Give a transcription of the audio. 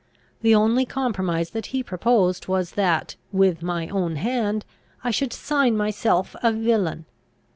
The only compromise that he proposed was that, with my own hand, I should sign myself a villain.